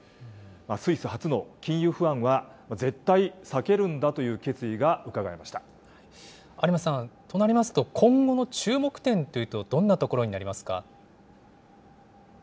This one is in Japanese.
スイス発の金融不安は絶対避ける有馬さん、となりますと、今後の注目点というと、どんなところになりますか。